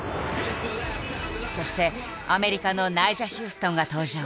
そしてアメリカのナイジャ・ヒューストンが登場。